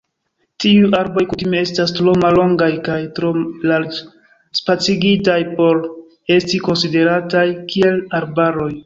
Tiuj arboj kutime estas tro mallongaj kaj tro larĝ-spacigitaj por esti konsiderataj kiel arbaroj.